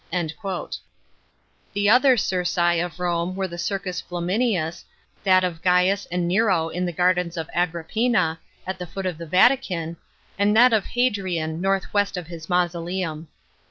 f The other circi of Rome were the Circus Flaminius, that of Gains and Nero in the gardens of Agrippina, at the foot of the Vatican, and that of Hadrian, north west of his mausoleum.